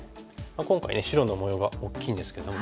今回ね白の模様が大きいんですけども。